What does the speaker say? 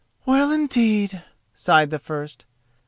"Well, indeed!" sighed the first.